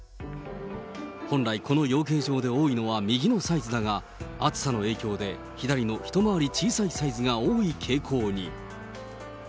本来この養鶏場で多いのは右のサイズだが、暑さの影響で、左の一回り小さいサイズが多い傾向に。